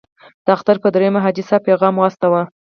د اختر په دریمه حاجي صاحب پیغام واستاوه.